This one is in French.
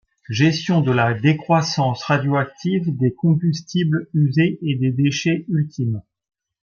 Gestion de la décroissance radioactive des combustibles usés et des déchets ultimes.